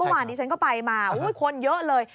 เมื่อวานนี้ฉันก็ไปมาคนเยอะเลย